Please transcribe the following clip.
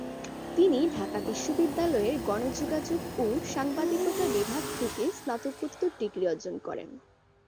তিনি ঢাকা বিশ্ববিদ্যালয়ের গণযোগাযোগ ও সাংবাদিকতা বিভাগ থেকে স্নাতকোত্তর ডিগ্রি অর্জন করেন।